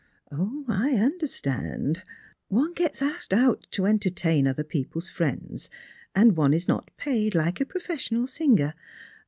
" I understand. One gets asked out to entertain other people's friends; and one is not paid like a professional singer.